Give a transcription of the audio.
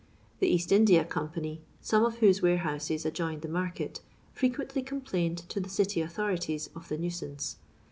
The Bast India Company, some of whose warehouses adjoined the market, frequently complained to the city authorities of the nuisance.